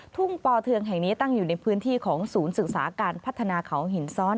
ปอเทืองแห่งนี้ตั้งอยู่ในพื้นที่ของศูนย์ศึกษาการพัฒนาเขาหินซ้อน